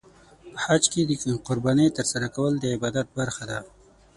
په حج کې د قربانۍ ترسره کول د عبادت برخه ده.